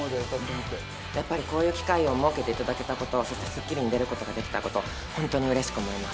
やっぱりこういう機会を設けていただけたこと、スッキリに出ることができたこと本当にうれしく思います。